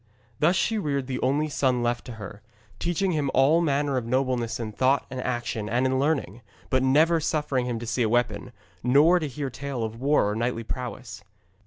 Thus she reared the only son left to her, teaching him all manner of nobleness in thought and action and in learning, but never suffering him to see a weapon, nor to hear a tale of war or knightly prowess.